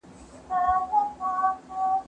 زه کولای سم بوټونه پاک کړم؟